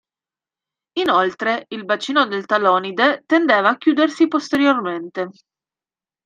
Inoltre, il bacino del talonide tendeva a chiudersi posteriormente.